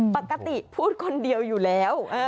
ปกติพูดคนเดียวอยู่แล้ว